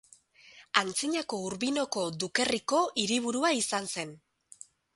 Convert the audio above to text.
Antzinako Urbinoko dukerriko hiriburua izan zen.